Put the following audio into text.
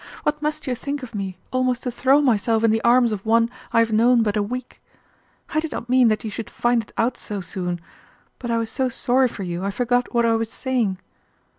what must you think of me almost to throw myself in the arms of one I have known but a week? I did not mean that you should find it out so soon, but I was so sorry for you I forgot what I was saying.